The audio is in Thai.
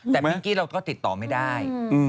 แต่เมื่อกี้เราก็ติดต่อไม่ได้